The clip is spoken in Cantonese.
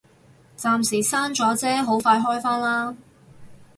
暫時閂咗啫，好快開返啦